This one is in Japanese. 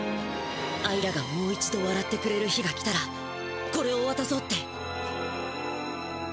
アイラがもう一度わらってくれる日が来たらこれをわたそうって。